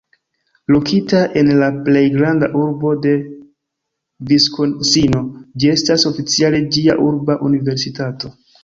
Lokita en la plej granda urbo de Viskonsino, ĝi estas oficiale ĝia "urba universitato".